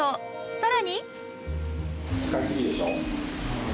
さらに。